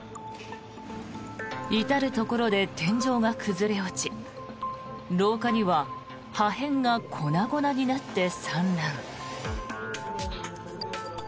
至るところで天井が崩れ落ち廊下には破片が粉々になって散乱。